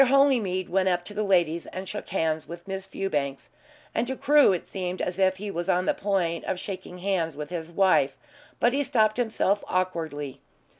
Holymead went up to the ladies and shook hands with Miss Fewbanks, and to Crewe it seemed as if he was on the point of shaking hands with his wife, but he stopped himself awkwardly.